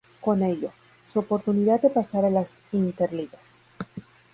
Con ello, su oportunidad de pasar a las Interligas.